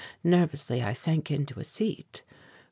Nervously I sank into a seat.